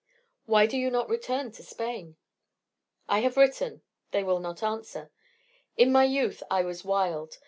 "Why do you not return to Spain?" "I have written. They will not answer. In my youth I was wild.